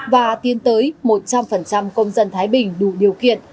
và tiến tới một trăm linh công dân thái bình đủ điều kiện